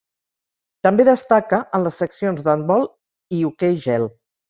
També destaca en les seccions d'handbol i hoquei gel.